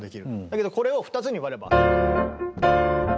だけどこれを２つに割れば。